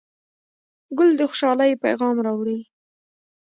ګل د خوشحالۍ پیغام راوړي.